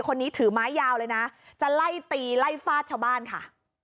คนนี้ถือไม้ยาวเลยนะจะไล่ตีไล่ฟาดชาวบ้านค่ะ